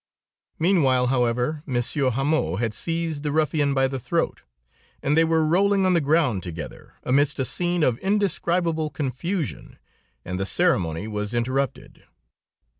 Meanwhile, however, Monsieur Hamot had seized the ruffian by the throat, and they were rolling on the ground together, amidst a scene of indescribable confusion, and the ceremony was interrupted.